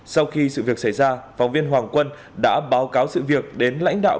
sau khi sự việc xảy ra phóng viên hoàng quân đã báo cáo sự việc đến lãnh đạo